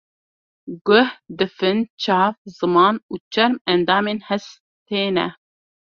Guh, difin, çav, ziman û çerm endamên hestê ne.